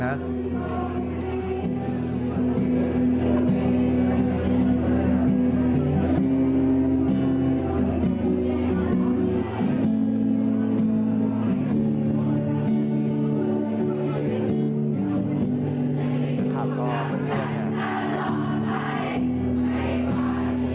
คำร้องเพลง